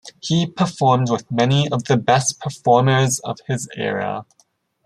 He performed with many of the best performers of his era.